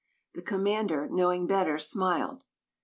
The commander, knowing better, smiled.